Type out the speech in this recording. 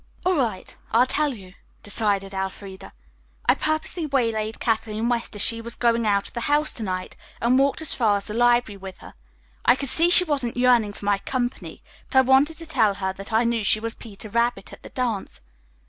"All right, I'll tell you," decided Elfreda. "I purposely waylaid Kathleen West as she was going out of the house to night and walked as far as the library with her. I could see she wasn't yearning for my company, but I wanted to tell her that I knew she was 'Peter Rabbit' at the dance.